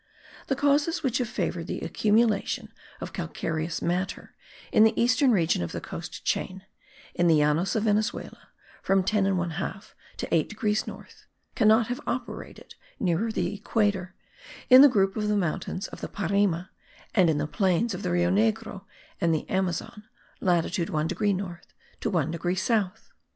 The causes which have favoured the accumulation of calcareous matter in the eastern region of the coast chain, in the Llanos of Venezuela (from 10 1/2 to 8 degrees north), cannot have operated nearer the equator, in the group of the mountains of the Parime and in the plains of the Rio Negro and the Amazon (latitude 1 degree north to 1 degree south).